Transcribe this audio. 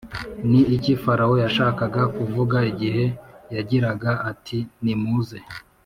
Ni iki Farawo yashakaga kuvuga igihe yagiraga ati nimuze